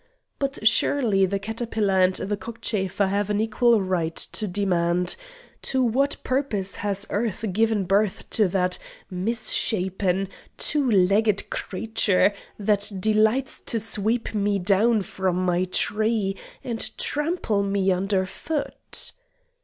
But surely the caterpillar and the cockchafer have an equal right to demand, "To what purpose has Earth given birth to that misshapen, two legged creature that delights to sweep me down from my tree, and trample me under foot?"